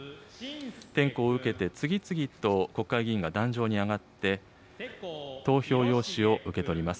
点呼を受けて次々と国会議員が壇上に上がって、投票用紙を受け取ります。